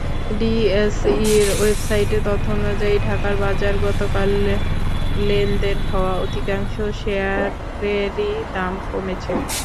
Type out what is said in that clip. ডিএসইর ওয়েবসাইটের তথ্য অনুযায়ী, ঢাকার বাজারে গতকাল লেনদেন হওয়া অধিকাংশ শেয়ারেরই দাম কমেছে।